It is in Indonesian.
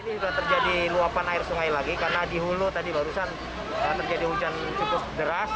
ini juga terjadi luapan air sungai lagi karena di hulu tadi barusan terjadi hujan cukup deras